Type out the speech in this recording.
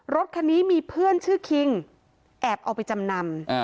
รถคันนี้มีเพื่อนชื่อคิงแอบเอาไปจำนำ